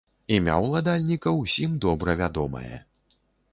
Імя ўладальніка ўсім добра вядомае.